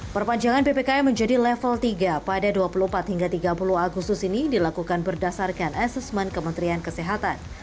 perpanjangan ppk menjadi level tiga pada dua puluh empat hingga tiga puluh agustus ini dilakukan berdasarkan asesmen kementerian kesehatan